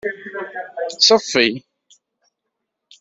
Seffi.